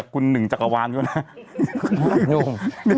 คุณหนึ่งจักรวาลดูนะ